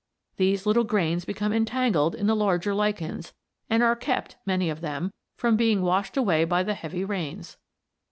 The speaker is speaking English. These little grains become entangled in the larger lichens and are kept, many of them, from being washed away by the heavy rains.